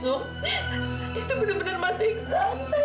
itu benar benar mas iksan